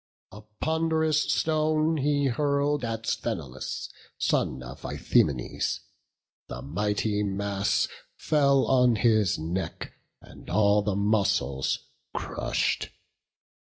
A pond'rous stone he hurl'd at Sthenelas, Son of Ithaemenes; the mighty mass Fell on his neck, and all the muscles crush'd.